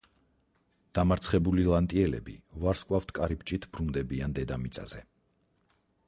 დამარცხებული ლანტიელები ვარსკვლავთკარიბჭით ბრუნდებიან დედამიწაზე.